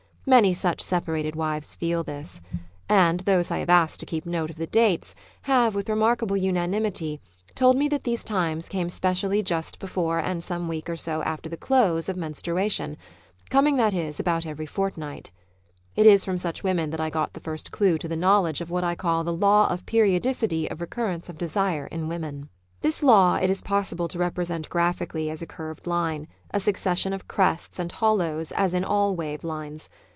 Many such separated wives feel this; and those I have asked The Fundamental Pulse ^9 to keep notes of the dates, have, with remarkable unanimity, told me that these times came specially just before and some week or so after the close of menstruation, coming, that is, about every fortnight. It is from such women that I got the first clue to the knowledge of what I call the Law of Periodicity of Recurrence of desire in women. This law it is possible to represent graphically as a curved line; a succession of crests and hollows as in all wave lines.